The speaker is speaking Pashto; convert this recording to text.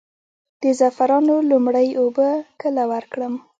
د زعفرانو لومړۍ اوبه کله ورکړم؟